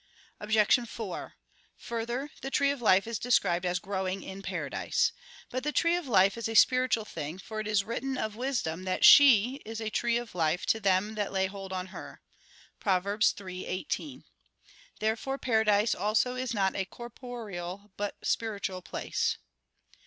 Obj. 4: Further, the tree of life is described as growing in paradise. But the tree of life is a spiritual thing, for it is written of Wisdom that "She is a tree of life to them that lay hold on her" (Prov. 3:18). Therefore paradise also is not a corporeal, but a spiritual place.